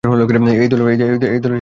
এই দলে ছিলেন মোহাম্মদ হাফিজ।